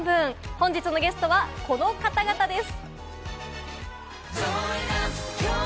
本日のゲストはこの方々です。